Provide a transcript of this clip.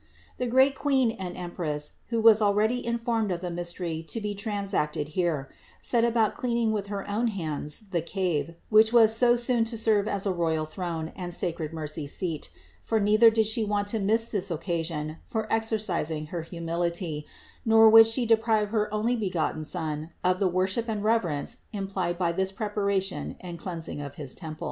The great Queen and Empress, who was already informed of the mystery to be transacted here, set about cleaning with her own hands the cave, which was so soon to serve as a royal throne and sacred mercy seat; for neither did She want to miss this occasion for exercising her humility, nor would She deprive her only begotten Son of the worship and reverence implied by this preparation and cleansing of his temple.